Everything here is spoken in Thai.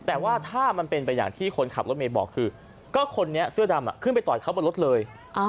แต่ว่าถ้ามันเป็นไปอย่างที่คนขับรถเมย์บอกคือก็คนนี้เสื้อดำขึ้นไปต่อยเขาบนรถเลย